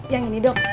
yang ini dok